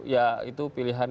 ya itu pilihan